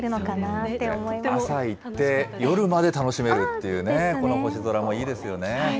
朝行って、夜まで楽しめるっていうね、星空もいいですよね。